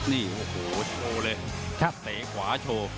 นี่โอ้โหโชว์เลยชัดเตะขวาโชว์